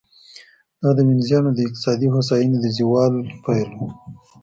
دا د وینزیانو د اقتصادي هوساینې د زوال پیل و